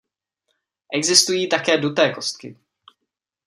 Existují také duté kostky.